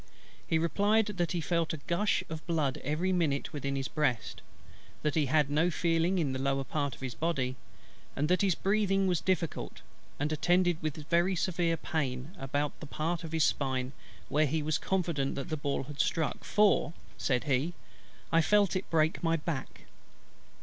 He replied, that "he felt a gush of blood every minute within his breast: that he had no feeling in the lower part of his body: and that his breathing was difficult, and attended with very severe pain about that part of the spine where he was confident that the ball had struck; for," said he, "I felt it break my back."